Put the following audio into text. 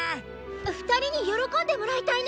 ２人に喜んでもらいたいの！